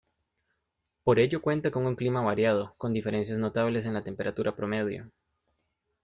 Por ello cuenta con un clima variado, con diferencia notables en la temperatura promedio.